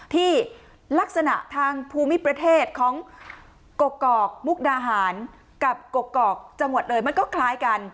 ที่ลักษณะทางภูมิประเทศของกกอกมุกดาหารกับกกอกจังหวัดเลยมันก็คล้ายกัน